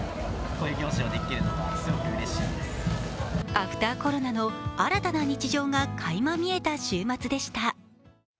アフターコロナの新たな日常が垣間見えた週末でした。